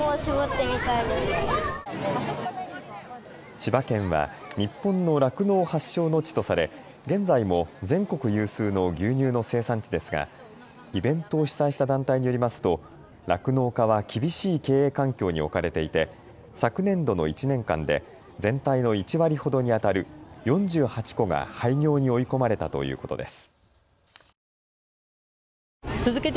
千葉県は日本の酪農発祥の地とされ現在も全国有数の牛乳の生産地ですがイベントを主催した団体によりますと酪農家は厳しい経営環境に置かれていて昨年度の１年間で全体の１割ほどにあたる４８戸が廃業に追い込まれたということです。